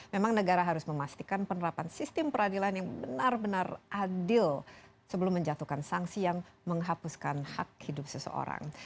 memang negara harus memastikan penerapan sistem peradilan yang benar benar adil sebelum menjatuhkan sanksi yang menghapuskan hak hidup seseorang